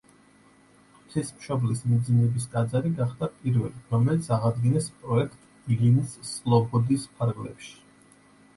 ღვთისმშობლის მიძინების ტაძარი გახდა პირველი, რომელიც აღადგინეს პროექტ „ილინის სლობოდის“ ფარგლებში.